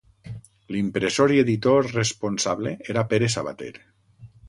L'impressor i editor responsable era Pere Sabater.